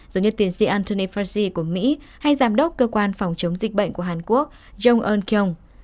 giống như tiến sĩ anthony fauci của mỹ hay giám đốc cơ quan phòng chống dịch bệnh của hàn quốc jong un kyung